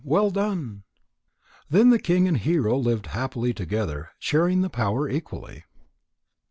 Well done!" Then the king and Hero lived happily together, sharing the power equally.